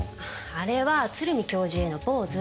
あれは鶴見教授へのポーズ。